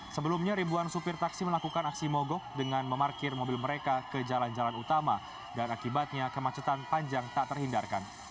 sebelumnya ribuan supir taksi melakukan aksi mogok dengan memarkir mobil mereka ke jalan jalan utama dan akibatnya kemacetan panjang tak terhindarkan